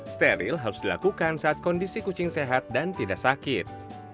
steril harus dilakukan saat kondisi kucing sehat dan tidak sakit